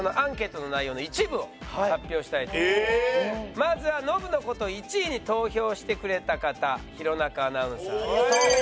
まずはノブの事１位に投票してくれた方弘中アナウンサーです。